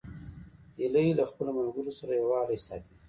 هیلۍ له خپلو ملګرو سره یووالی ساتي